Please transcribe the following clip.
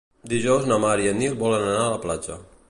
Dijous na Mar i en Nil volen anar a la platja.